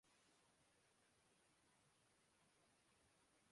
ان میں سے کسی سوال کا شافی جواب مو جود نہیں ہے۔